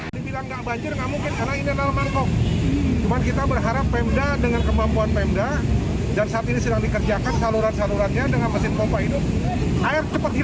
air cepat hilang itu aja berarti